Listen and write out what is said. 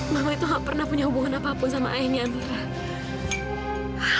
mama itu gak pernah punya hubungan apapun sama ayahnya antara